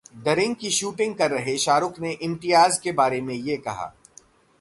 the ring की shooting कर रहे शाहरुख ने इम्तियाज के बारे में ये कहा